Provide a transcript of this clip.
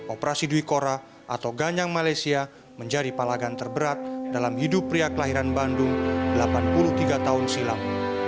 operasi duikora atau ganyang malaysia menjadi palagan terberat dalam hidup pria kelahiran bandung delapan puluh tiga tahun silam